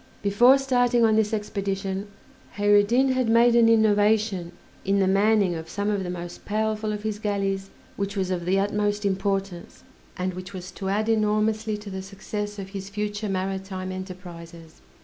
Before starting on this expedition Kheyr ed Din had made an innovation in the manning of some of the most powerful of his galleys, which was of the utmost importance, and which was to add enormously to the success of his future maritime enterprises.